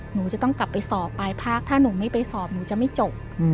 หนูจะต้องกลับไปสอบปลายภาคถ้าหนูไม่ไปสอบหนูจะไม่จบ